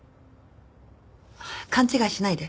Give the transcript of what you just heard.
勘違いしないで。